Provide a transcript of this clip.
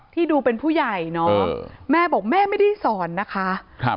ดูเป็นผู้ใหญ่เนาะแม่บอกแม่ไม่ได้สอนนะคะครับ